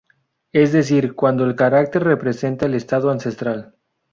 Es decir, cuando el carácter representa el estado ancestral.